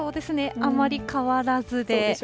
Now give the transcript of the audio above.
あまり変わらずで。